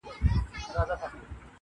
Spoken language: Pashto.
• چاته مالونه جایدادونه لیکي -